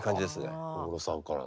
小室さんからの。